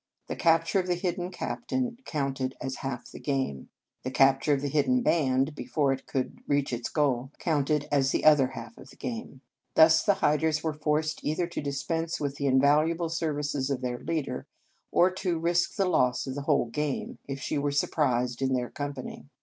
The capture of the hidden captain counted as half the game. The cap ture of the hidden band, before it could reach its goal, counted as the other half of the game. Thus the hiders were forced either to dispense with the invaluable services of their leader, or to risk the loss of the whole gamej if she were surprised in their com pany.